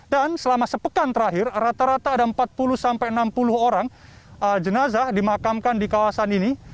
dan selama sepekan terakhir rata rata ada empat puluh sampai enam puluh orang jenazah dimakamkan di kawasan ini